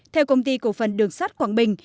theo công ty cổ phần đường sắt quảng bình